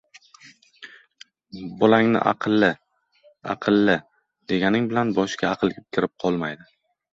bolangni “aqlli, aqlli” deganing bilan boshiga aql kirib qolmaydi.